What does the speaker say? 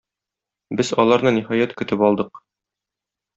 Без аларны, ниһаять, көтеп алдык.